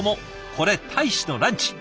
これ大使のランチ。